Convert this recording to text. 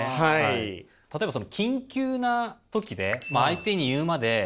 例えばその緊急な時で相手に言うまで何でしょう？